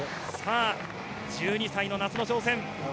１２歳の夏の挑戦。